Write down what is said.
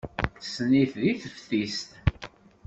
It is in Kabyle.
Tessen-it deg teftist.